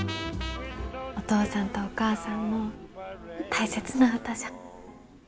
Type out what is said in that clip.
お父さんとお母さんの大切な歌じゃ。